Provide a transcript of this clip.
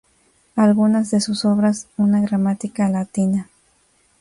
Algunas de sus obras "Una Gramática Latina.